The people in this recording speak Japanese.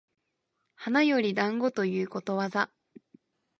花より団子ということわざ